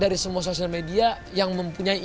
dari semua sosial media yang mempunyai